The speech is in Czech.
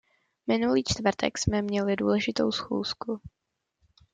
Minulý čtvrtek jsme měli důležitou schůzku.